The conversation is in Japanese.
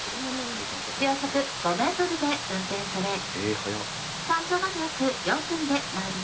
秒速５メートルで運転され山頂まで約４分で参ります。